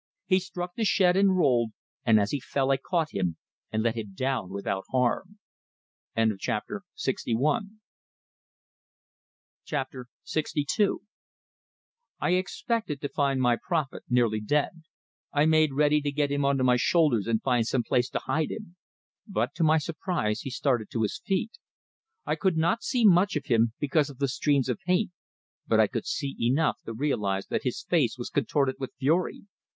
He struck the shed, and rolled, and as he fell, I caught him, and let him down without harm. LXII I expected to find my prophet nearly dead; I made ready to get him onto my shoulders and find some place to hide him. But to my surprise he started to his feet. I could not see much of him, because of the streams of paint; but I could see enough to realize that his face was contorted with fury.